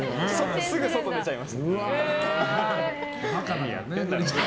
すぐ外出ちゃいます。